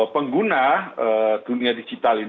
pengguna dunia digital ini